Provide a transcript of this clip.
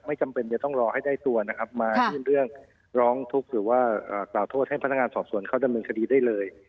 จำเป็นจะต้องรอให้ได้ตัวนะครับมายื่นเรื่องร้องทุกข์หรือว่ากล่าวโทษให้พนักงานสอบสวนเขาดำเนินคดีได้เลย